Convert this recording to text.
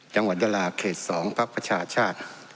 จังหวัดดาราเขต๒พักประชาชาติ